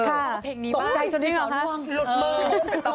ใช่เป็นเวลาเท่านี้เหรอคะ